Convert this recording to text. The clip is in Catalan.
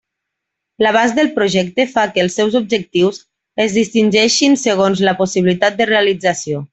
L'abast del projecte fa que els seus objectius es distingeixin segons la possibilitat de realització.